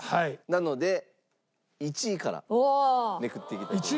なので１位からめくっていきたいと思います。